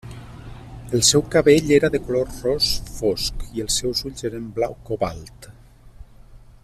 El seu cabell era de color ros fosc i els seus ulls eren blau cobalt.